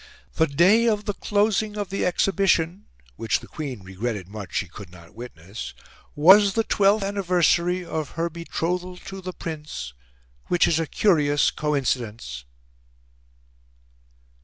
The day of the closing of the Exhibition (which the Queen regretted much she could not witness), was the twelfth anniversary of her betrothal to the Prince, which is a curious coincidence."